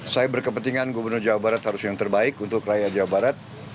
saya berkepentingan gubernur jawa barat harus yang terbaik untuk rakyat jawa barat